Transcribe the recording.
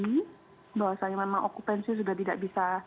jadi bahwasannya memang okupansi sudah tidak bisa